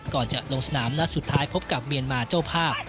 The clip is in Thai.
ก่อนจะลงสนามนัดสุดท้ายพบกับเมียนมาเจ้าภาพ